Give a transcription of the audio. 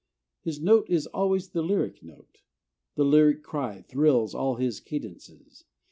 His note is always the lyric note. The "lyric cry" thrills all his cadences.